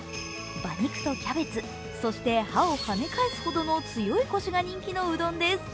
馬肉とキャベツ、そして歯を跳ね返すほどの強いこしが人気のうどんです。